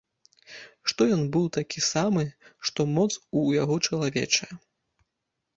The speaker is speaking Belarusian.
Што ён быў такі самы, што моц у яго чалавечая!